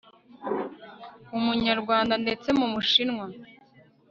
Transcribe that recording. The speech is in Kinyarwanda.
umunyarwanda ndetse nu mushinwa